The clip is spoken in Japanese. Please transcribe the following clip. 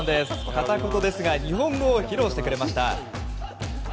片言ですが日本語を披露してくれました。